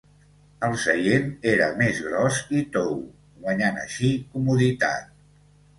El seient era més gros i tou, guanyant així comoditat.